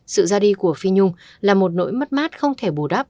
sự ra đi của phi nhung là một nỗi mất mát không thể bù đắp